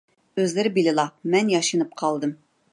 ئۆزلىرى بىلىلا، مەن ياشىنىپ قالدىم.